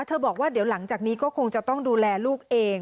บอกว่าเดี๋ยวหลังจากนี้ก็คงจะต้องดูแลลูกเอง